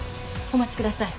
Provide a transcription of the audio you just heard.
お待ちください。